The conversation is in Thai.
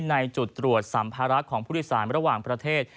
ในจุดตรวจสัมภาระของผู้โดยสารระหว่างประเทศ